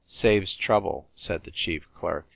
"Saves trouble," said the chief clerk.